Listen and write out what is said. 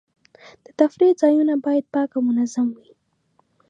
د تفریح ځایونه باید پاک او منظم وي.